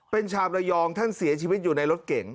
เป็นชาวระยองท่านเสียชีวิตอยู่ในรถเก๋ง